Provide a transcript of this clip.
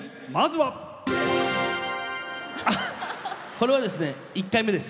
これはですね１回目です。